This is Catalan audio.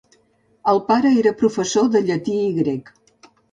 El pare era professor de llatí i grec.